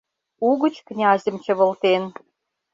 Угыч князьым чывылтен.